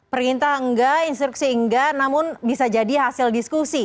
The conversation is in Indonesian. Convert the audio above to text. perintah enggak instruksi enggak namun bisa jadi hasil diskusi